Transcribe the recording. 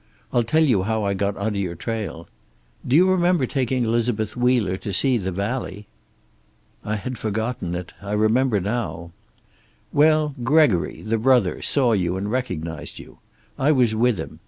I'll tell you how I got onto your trail. Do you remember taking Elizabeth Wheeler to see 'The Valley?'" "I had forgotten it. I remember now." "Well, Gregory, the brother, saw you and recognized you. I was with him.